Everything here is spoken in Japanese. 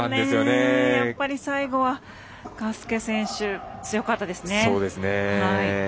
やっぱり最後はガスケ選手強かったですね。